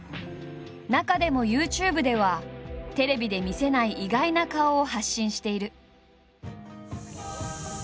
中でもＹｏｕＴｕｂｅではテレビで見せない意外な顔を発信している。